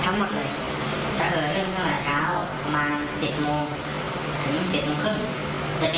ก็เออเรื่องเมื่อเช้าประมาณสิบโมงถึงสิบโมงครึ่ง